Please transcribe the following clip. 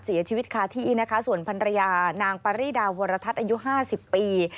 เสียชีวิตคาทีส่วนภัณฑ์ระยานางปริดาวรทัศน์อายุ๕๐ปี